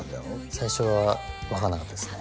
最初は分かんなかったですね